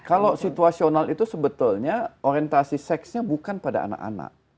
kalau situasional itu sebetulnya orientasi seksnya bukan pada anak anak